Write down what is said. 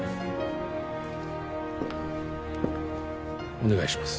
お願いします